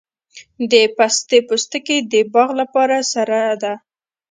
د پستې پوستکي د باغ لپاره سره ده؟